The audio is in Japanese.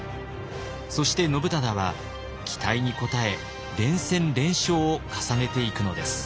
そして信忠は期待に応え連戦連勝を重ねていくのです。